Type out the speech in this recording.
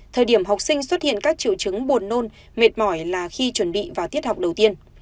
thời điểm học sinh xuất hiện các triệu chứng buồn nôn mệt mỏi là khi chuẩn bị vào tiết học đầu tiên